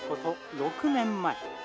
６年前。